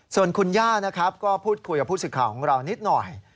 ส่วนคุณย่านะครับก็พูดคุยกับผู้สื่อข่าวของเรานิดหน่อย